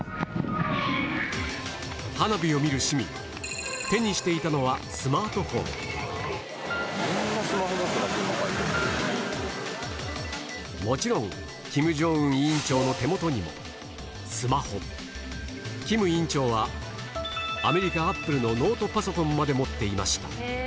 花火を見る市民手にしていたのはもちろん金正恩委員長の手元にもスマホ金委員長はアメリカアップルのノートパソコンまで持っていました